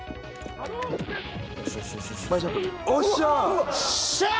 よっしゃあ！